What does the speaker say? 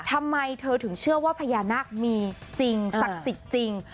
ทำไมเธอถึงเชื่อว่าพญานาคมีจริงศักดิ์สิทธิ์จริง